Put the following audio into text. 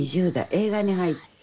映画に入って。